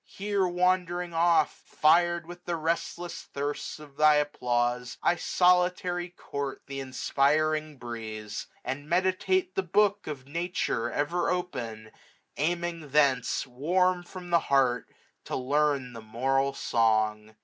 Here wandering oft, fir*d with the restless thirst Of thy applause, I solitary court Th' inspiring breeze ; and meditate the book Of Nature ever open ; aiming thence, 670 Warm from the heart, to learn the moral song.